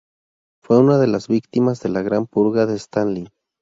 Fue una de las víctimas de la Gran Purga de Stalin.